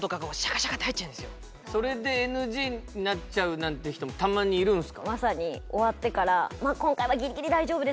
それでＮＧになっちゃうなんて人もたまにいるんですか？